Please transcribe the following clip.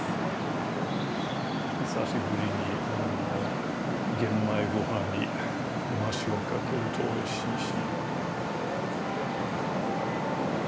久しぶりに玄米ご飯にごま塩かけるとおいしいし。